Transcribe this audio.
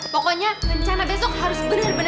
pokoknya rencana besok harus bener bener sempurna